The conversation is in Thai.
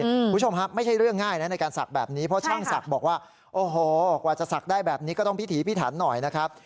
คุณผู้ชมฮะไม่ใช่เรื่องง่ายนะในการศักดิ์แบบนี้เพราะช่างศักดิ์บอกว่าโอ้โหกว่าจะศักดิ์ได้แบบนี้ก็ต้องพิถีพิถันหน่อยนะครับ